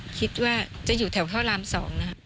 คิดว่าจะอยู่แถวท่อราม๒นะครับ